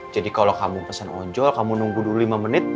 jadi kalo kamu pesan ojol kamu nunggu dulu lima menit